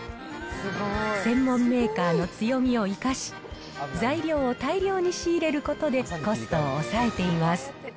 専門メーカーの強みを生かし、材料を大量に仕入れることでコストを抑えています。